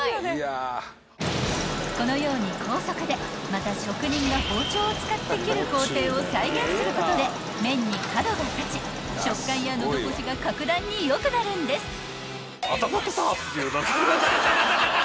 ［このように高速でまた職人が包丁を使って切る工程を再現することで麺に角が立ち食感や喉越しが格段に良くなるんです］